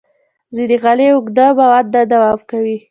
ځینې غالۍ اوږده موده نه دوام کوي.